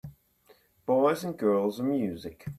Boys and girls and music.